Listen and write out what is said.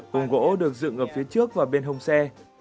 cùng gỗ được dựng ở phía trước và bên hông xe